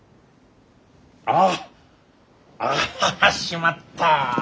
ああああしまった。